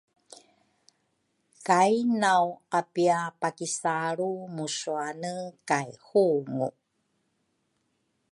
kai nawapiapakisalru musuane kay hungu.